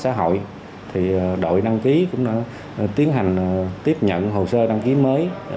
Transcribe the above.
xã hội thì đội đăng ký cũng tiến hành tiếp nhận hồ sơ đăng ký mới